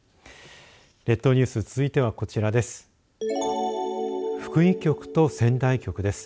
列島ニュース、続いてはこちらです。